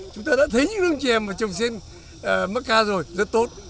chúng ta đã thấy những nương chè mà trồng sen mắc ca rồi rất tốt